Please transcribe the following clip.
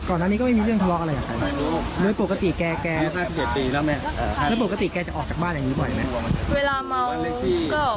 ออกตามหาเมื่อเช้านี้ไปบ้านที่แก้ชอบไป